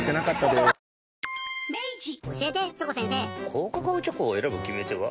高カカオチョコを選ぶ決め手は？